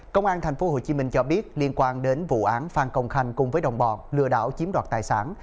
công an thành phố hồ chí minh cho biết liên quan đến vụ án phan công khanh cùng với đồng bọn lừa đảo chiếm đoạt tài sản